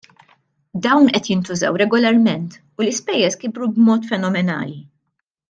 Dawn qed jintużaw regolarment u l-ispejjeż kibru b'mod fenomenali.